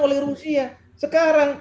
oleh rusia sekarang